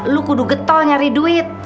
lu kudu getol nyari duit